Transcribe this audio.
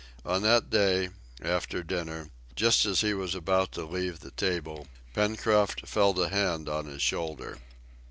On that day, after dinner, just as he was about to leave the table, Pencroft felt a hand on his shoulder.